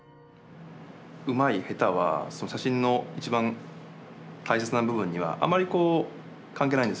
うまいヘタは写真の一番大切な部分にはあまりこう関係ないんですよね。